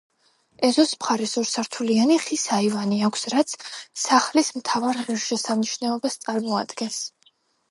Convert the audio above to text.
ეზოს მხარეს ორსართულიანი, ხის აივანი აქვს, რაც სახლის მთავარ ღირსშესანიშნაობას წარმოადგენს.